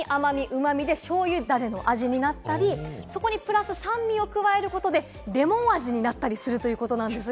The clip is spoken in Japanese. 例えば塩味、甘味、うま味でしょうゆダレの味になったり、そこにプラス酸味を加えることで、レモン味になったりするということなんです。